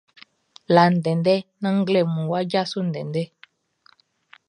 La ndɛndɛ naan nglɛmunʼn wʼa djaso ndɛndɛ.